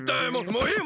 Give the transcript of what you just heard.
もういい！